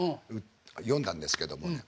読んだんですけどもね。